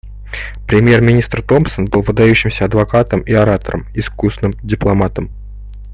Премьер-министр Томпсон был выдающимся адвокатом и оратором, искусным дипломатом.